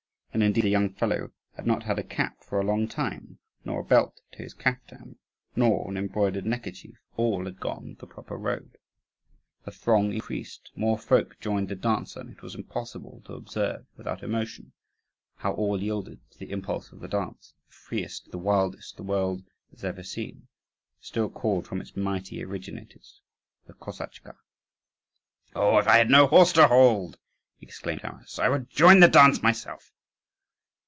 And indeed, the young fellow had not had a cap for a long time, nor a belt to his caftan, nor an embroidered neckerchief: all had gone the proper road. The throng increased; more folk joined the dancer: and it was impossible to observe without emotion how all yielded to the impulse of the dance, the freest, the wildest, the world has ever seen, still called from its mighty originators, the Kosachka. "Oh, if I had no horse to hold," exclaimed Taras, "I would join the dance myself."